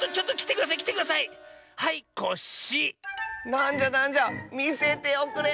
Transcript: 「『なんじゃなんじゃみせておくれ！